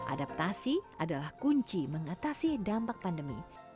adaptasi adalah kunci mengatasi dampak pandemi